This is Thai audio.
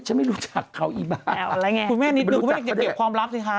ฉันไม่รู้จักเขาอีบ้าคุณแม่นิดหนึ่งคุณแม่อย่าเก็บความลับสิคะ